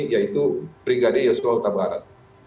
yaitu brigade yosua utabarat